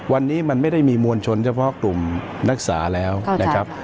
วันนี้มันไม่ได้มีมวลชนเฉพาะกลุ่มนักศึกษาแล้วนะครับ